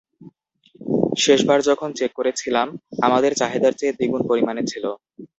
শেষবার যখন চেক করেছিলাম, আমাদের চাহিদার চেয়ে দ্বিগুণ পরিমাণে ছিল।